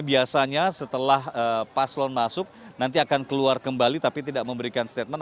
biasanya setelah paslon masuk nanti akan keluar kembali tapi tidak memberikan statement